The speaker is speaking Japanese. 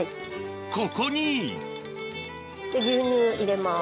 ここに牛乳入れます。